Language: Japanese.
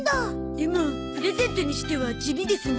でもプレゼントにしては地味ですな。